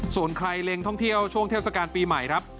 ส่วนใครเล็งท่องเที่ยวช่วงเทศกาลปีใหม่ครับ